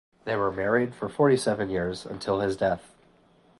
They were married for forty-seven years, until his death.